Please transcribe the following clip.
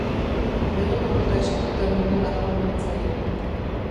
Bere nobela eskuetan nuela joan nintzaion.